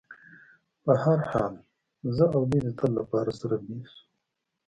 په هر حال، زه او دوی د تل لپاره سره بېل شو.